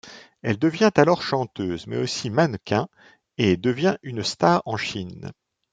Elle devient alors chanteuse, mais aussi mannequin, et devient une star en Chine.